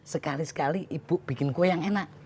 sekali sekali ibu bikin kue yang enak